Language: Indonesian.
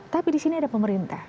tapi di sini ada pemerintah